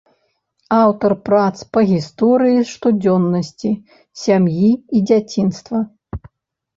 Аўтар прац па гісторыі штодзённасці, сям'і і дзяцінства.